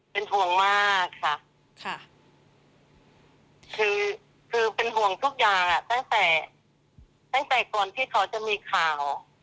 เป็นห่วงมากค่ะคือคือเป็นห่วงทุกอย่างตั้งแต่ตั้งแต่ก่อนที่เขาจะมีข่าว